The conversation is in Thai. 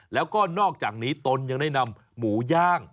แล้วก็นอกจากนี้ตนยังได้นำหมูย่าง